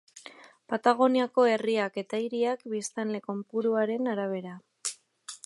Patagoniako herriak eta hiriak biztanle kopuruaren arabera.